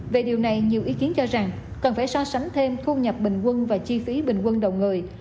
về điều này nhiều ý kiến cho rằng cần phải so sánh thêm thu nhập bình quân và chi phí bình quân đầu người